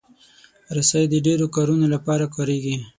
رسۍ د ډیرو کارونو لپاره کارېږي.